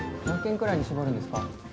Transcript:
何軒くらいに絞るんですか？